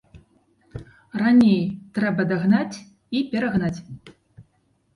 Раней трэба дагнаць і перагнаць.